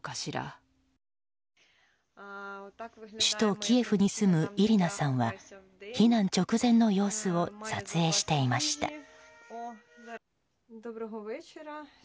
首都キエフに住むイリナさんは避難直前の様子を撮影していました。